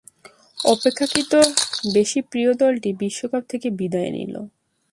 অপেক্ষাকৃত বেশি প্রিয় দলটি বিশ্বকাপ থেকে বিদায় নিলো।